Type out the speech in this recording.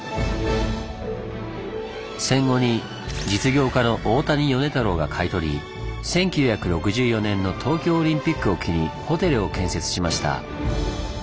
戦後に実業家の大谷米太郎が買い取り１９６４年の東京オリンピックを機にホテルを建設しました。